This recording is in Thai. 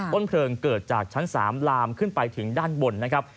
ต้นเพลิงเกิดจากชั้น๓ลามขึ้นไปถึงด้านบนนะครับ